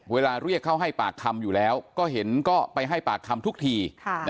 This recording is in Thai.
เรียกเขาให้ปากคำอยู่แล้วก็เห็นก็ไปให้ปากคำทุกที